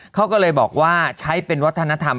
เขาก็เลยบอกว่าใช้เป็นวัฒนธรรม